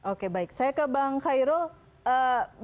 oke baik saya ke bang khairul